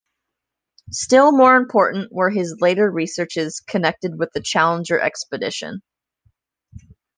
Still more important were his later researches connected with the Challenger Expedition.